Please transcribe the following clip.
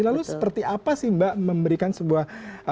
lalu seperti apa sih mbak memberikan sebuah